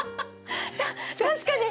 確かに！